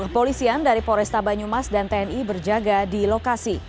polisian dari poresta banyumas dan tni berjaga di lokasi